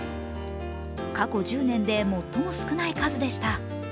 過去１０年で最も少ない数でした。